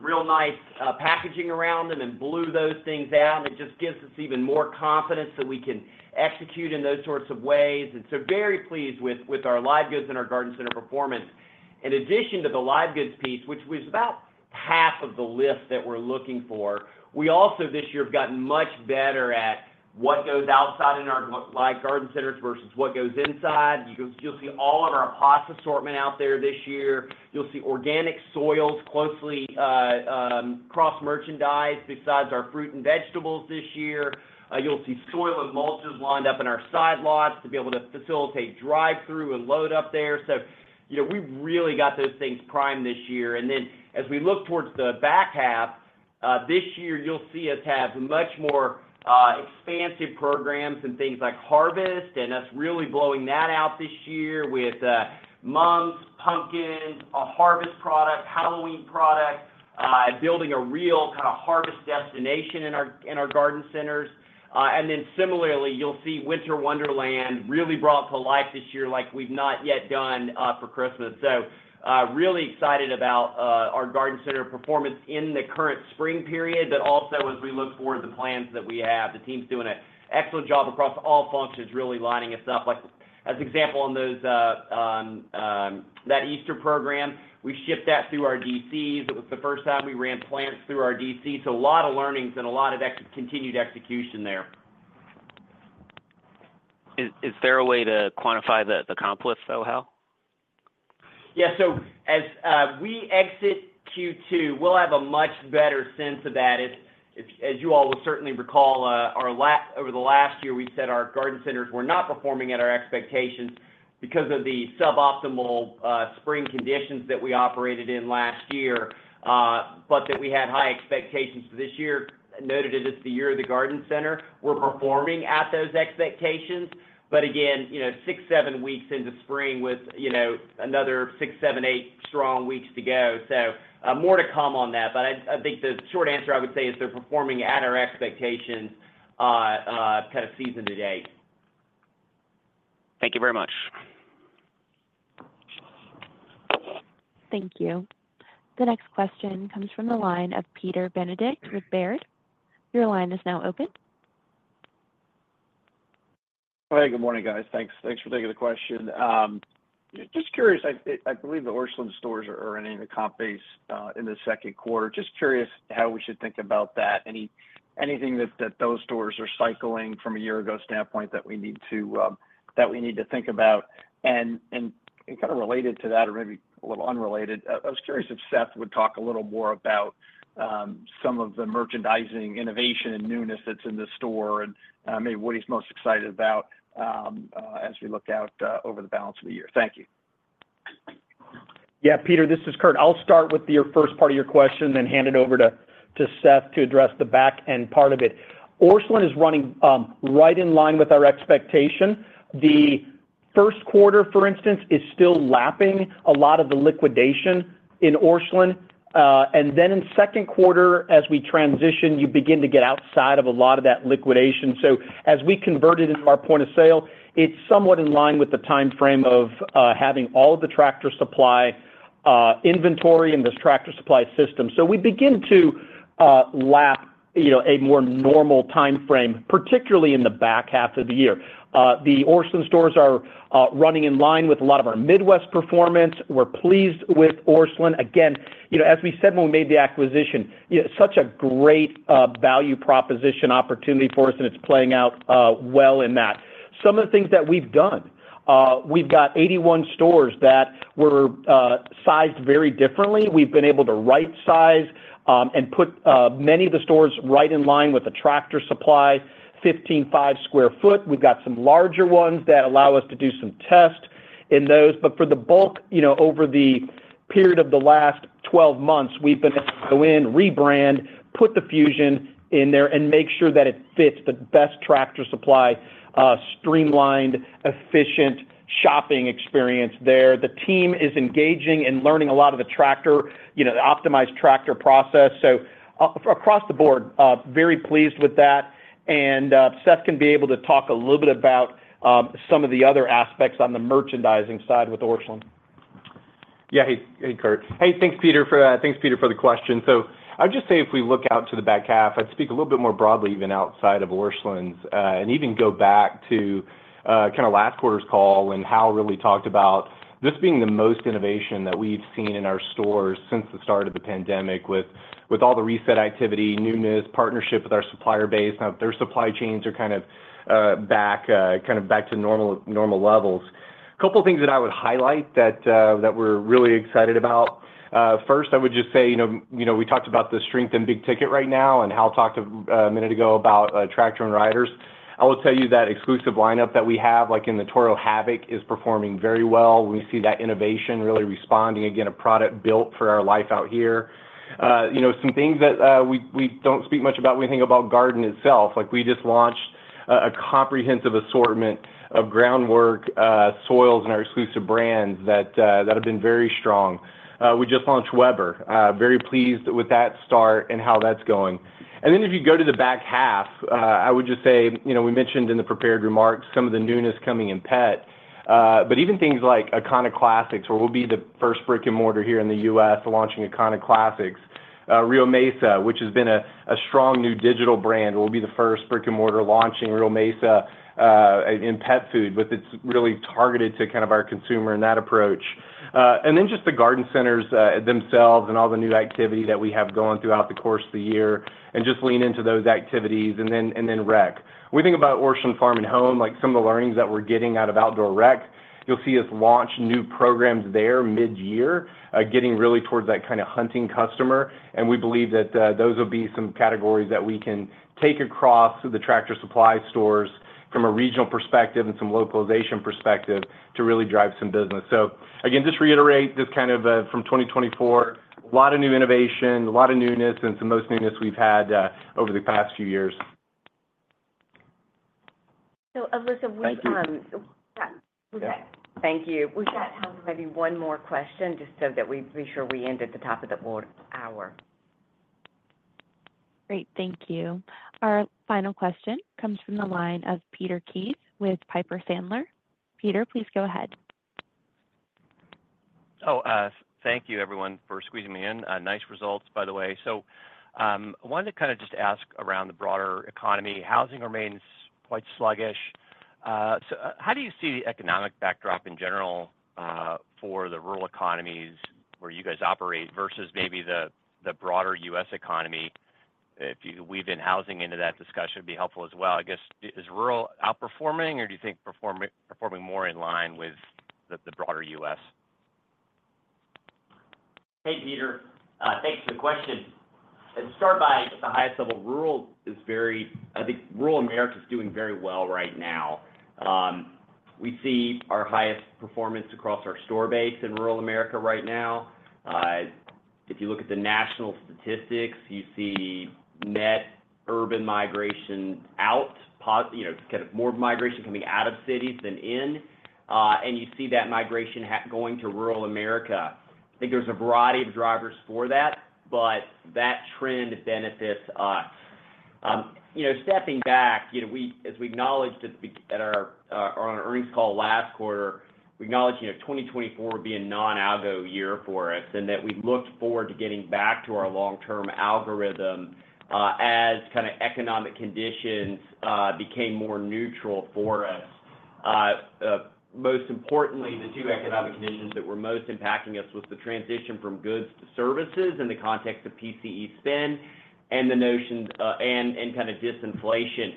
real nice packaging around them and blew those things out. It just gives us even more confidence that we can execute in those sorts of ways. So very pleased with our live goods and our garden center performance. In addition to the live goods piece, which was about half of the list that we're looking for, we also, this year, have gotten much better at what goes outside in our live garden centers versus what goes inside. You'll see all of our hosta assortment out there this year. You'll see organic soils closely cross-merchandised besides our fruit and vegetables this year. You'll see soil and mulches lined up in our sidelots to be able to facilitate drive-through and load up there. We've really got those things primed this year. Then as we look towards the back half, this year, you'll see us have much more expansive programs and things like harvest. That's really blowing that out this year with mums, pumpkins, a harvest product, Halloween product, building a real kind of harvest destination in our garden centers. Then similarly, you'll see Winter Wonderland really brought to life this year like we've not yet done for Christmas. Really excited about our garden center performance in the current spring period, but also as we look forward to the plans that we have. The team's doing an excellent job across all functions, really lining us up. As an example, on that Easter program, we shipped that through our DCs. It was the first time we ran plants through our DC. So a lot of learnings and a lot of continued execution there. Is there a way to quantify the accomplishment, though, Hal? Yeah. So as we exit Q2, we'll have a much better sense of that. As you all will certainly recall, over the last year, we said our garden centers were not performing at our expectations because of the suboptimal spring conditions that we operated in last year but that we had high expectations for this year. Noted it as the year of the garden center. We're performing at those expectations. But again, six, seven weeks into spring with another six, seven, eight strong weeks to go. So more to come on that. But I think the short answer, I would say, is they're performing at our expectations kind of season to date. Thank you very much. Thank you. The next question comes from the line of Peter Benedict with Baird. Your line is now open. Hey, good morning, guys. Thanks for taking the question. Just curious. I believe the Orscheln stores are running the comp base in the second quarter. Just curious how we should think about that, anything that those stores are cycling from a year-ago standpoint that we need to think about. And kind of related to that or maybe a little unrelated, I was curious if Seth would talk a little more about some of the merchandising innovation and newness that's in the store and maybe what he's most excited about as we look out over the balance of the year. Thank you. Yeah, Peter, this is Kurt. I'll start with your first part of your question, then hand it over to Seth to address the back end part of it. Orscheln is running right in line with our expectation. The first quarter, for instance, is still lapping a lot of the liquidation in Orscheln. And then in second quarter, as we transition, you begin to get outside of a lot of that liquidation. So as we convert it into our point of sale, it's somewhat in line with the time frame of having all of the Tractor Supply inventory in this Tractor Supply system. So we begin to lap a more normal time frame, particularly in the back half of the year. The Orscheln stores are running in line with a lot of our Midwest performance. We're pleased with Orscheln. Again, as we said when we made the acquisition, such a great value proposition opportunity for us. And it's playing out well in that. Some of the things that we've done, we've got 81 stores that were sized very differently. We've been able to right-size and put many of the stores right in line with the Tractor Supply 15,500 sq ft. We've got some larger ones that allow us to do some tests in those. But for the bulk, over the period of the last 12 months, we've been able to go in, rebrand, put the fusion in there, and make sure that it fits the best Tractor Supply streamlined, efficient shopping experience there. The team is engaging and learning a lot of the optimized tractor process. So across the board, very pleased with that. Seth can be able to talk a little bit about some of the other aspects on the merchandising side with Orscheln. Yeah, hey, Kurt. Hey, thanks, Peter, for the question. So I'd just say if we look out to the back half, I'd speak a little bit more broadly even outside of Orscheln's and even go back to kind of last quarter's call and Hal really talked about this being the most innovation that we've seen in our stores since the start of the pandemic with all the reset activity, newness, partnership with our supplier base. Now, their supply chains are kind of back to normal levels. A couple of things that I would highlight that we're really excited about. First, I would just say we talked about the strength in big ticket right now and Hal talked a minute ago about tractors and riders. I will tell you that exclusive lineup that we have in the Toro Havoc is performing very well. We see that innovation really responding, again, a product built for our Life Out Here. Some things that we don't speak much about when we think about garden itself. We just launched a comprehensive assortment of GroundWork soils and our exclusive brands that have been very strong. We just launched Weber. Very pleased with that start and how that's going. And then if you go to the back half, I would just say we mentioned in the prepared remarks some of the newness coming in pet. But even things like ACANA Classics, where we'll be the first brick and mortar here in the U.S. launching ACANA Classics, Real Mesa, which has been a strong new digital brand, will be the first brick and mortar launching Real Mesa in pet food. But it's really targeted to kind of our consumer in that approach. And then just the garden centers themselves and all the new activity that we have going throughout the course of the year and just lean into those activities and then rec. When we think about Orscheln Farm & Home, some of the learnings that we're getting out of Outdoor rec, you'll see us launch new programs there mid-year, getting really towards that kind of hunting customer. And we believe that those will be some categories that we can take across the Tractor Supply stores from a regional perspective and some localization perspective to really drive some business. So again, just reiterate this kind of from 2024, a lot of new innovation, a lot of newness, and some most newness we've had over the past few years. Elisa, we've got. Thank you. We've got time for maybe one more question just so that we be sure we end at the top of the hour. Great. Thank you. Our final question comes from the line of Peter Keith with Piper Sandler. Peter, please go ahead. Oh, thank you, everyone, for squeezing me in. Nice results, by the way. So I wanted to kind of just ask around the broader economy. Housing remains quite sluggish. So how do you see the economic backdrop in general for the rural economies where you guys operate versus maybe the broader U.S. economy? If you weave in housing into that discussion, it'd be helpful as well. I guess, is rural outperforming, or do you think performing more in line with the broader U.S.? Hey, Peter. Thanks for the question. Let's start by at the highest level. Rural is very, I think, rural America is doing very well right now. We see our highest performance across our store base in rural America right now. If you look at the national statistics, you see net urban migration out, kind of more migration coming out of cities than in. And you see that migration going to rural America. I think there's a variety of drivers for that. But that trend benefits us. Stepping back, as we acknowledged on our earnings call last quarter, we acknowledged 2024 being a non-algo year for us and that we looked forward to getting back to our long-term algorithm as kind of economic conditions became more neutral for us. Most importantly, the two economic conditions that were most impacting us was the transition from goods to services in the context of PCE spend and the notion and kind of disinflation.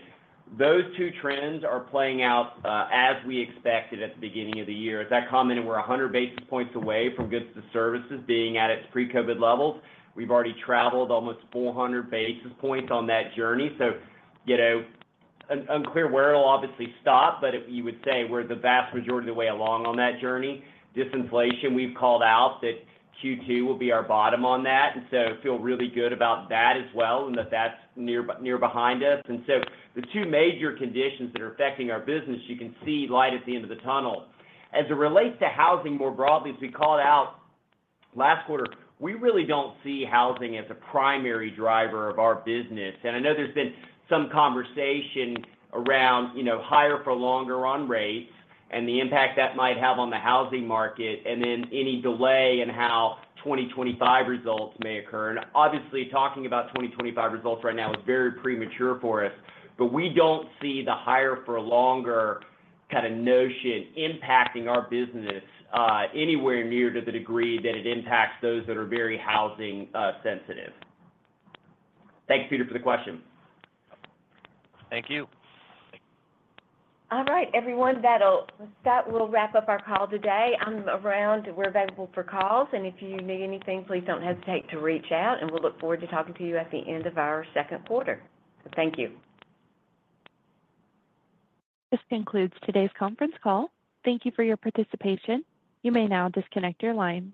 Those two trends are playing out as we expected at the beginning of the year. As I commented, we're 100 basis points away from goods to services being at its pre-COVID levels. We've already traveled almost 400 basis points on that journey. So unclear where it'll obviously stop. But you would say we're the vast majority of the way along on that journey. Disinflation, we've called out that Q2 will be our bottom on that. And so feel really good about that as well and that that's near behind us. And so the two major conditions that are affecting our business, you can see light at the end of the tunnel. As it relates to housing more broadly, as we called out last quarter, we really don't see housing as a primary driver of our business. And I know there's been some conversation around higher-for-longer on rates and the impact that might have on the housing market and then any delay in how 2025 results may occur. And obviously, talking about 2025 results right now is very premature for us. But we don't see the higher-for-longer kind of notion impacting our business anywhere near to the degree that it impacts those that are very housing-sensitive. Thanks, Peter, for the question. Thank you. All right, everyone. That will wrap up our call today. We're available for calls. If you need anything, please don't hesitate to reach out. We'll look forward to talking to you at the end of our second quarter. Thank you. This concludes today's conference call. Thank you for your participation. You may now disconnect your lines.